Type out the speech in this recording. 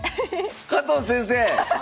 ⁉加藤先生！